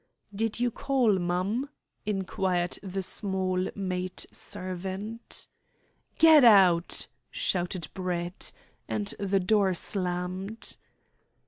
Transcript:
"Did you call, mum?" inquired the small maid servant. "Get out!" shouted Brett; and the door slammed.